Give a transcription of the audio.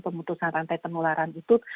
pemutusan rantai penularan itu